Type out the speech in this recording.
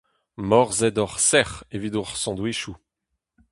Morzhed-hoc'h sec'h evit hor sandwichoù !